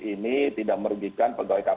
ini tidak merugikan pegawai kpk